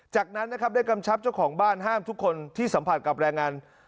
จากนั้นนะครับได้กำชับเจ้าของบ้านห้ามทุกคนที่สัมผัสกับแรงงาน